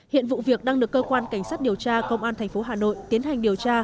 hiện vụ việc đang được cơ quan cảnh sát điều tra công an tp hà nội tiến hành điều tra